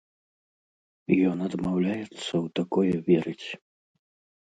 Ён адмаўляецца ў такое верыць.